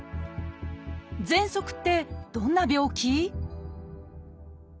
「ぜんそく」ってどんな病気？